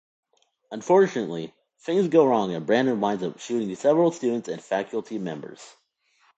Unfortunately, things go wrong and Brandon winds up shooting several students and faculty members.